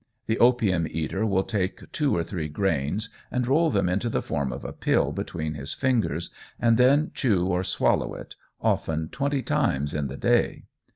The opium eater will take two or three grains and roll them into the form of a pill between his fingers, and then chew or swallow it, often twenty times in the day.